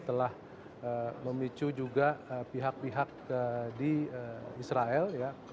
telah memicu juga pihak pihak di israel